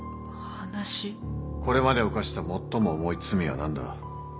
これまで犯した最も重い罪は何だ？